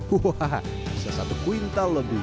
bisa satu kuintal lebih